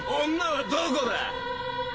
女はどこだ？